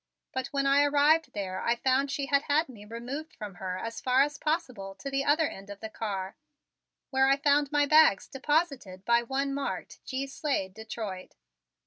But when I arrived there I found she had had me removed from her as far as possible to the other end of the car, where I found my bags deposited beside one marked "G. Slade, Detroit."